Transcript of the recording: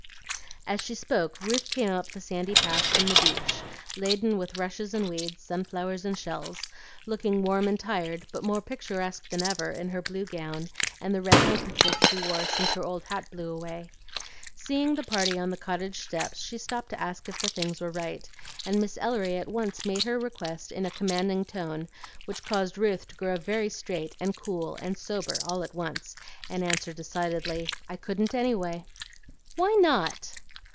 As she spoke Ruth came up the sandy path from the beach laden with rushes and weeds, sun flowers and shells, looking warm and tired but more picturesque than ever, in her blue gown and the red handkerchief she wore since her old hat blew away. Seeing the party on the cottage steps, she stopped to ask if the things were right, and Miss Ellery at once made her request in a commanding tone which caused Ruth to grow very straight and cool and sober all at once, and answer decidedly, "I couldn't anyway." "Why not?"